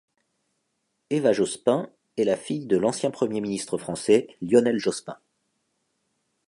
Eva Jospin est la fille de l'ancien Premier ministre français Lionel Jospin.